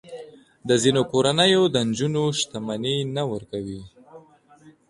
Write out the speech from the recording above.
د ځینو کورنیو د نجونو شتمني نه ورکوي.